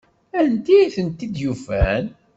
Anti ay tent-id-yufan?